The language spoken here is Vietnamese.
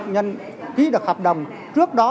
nhân ký được hợp đồng trước đó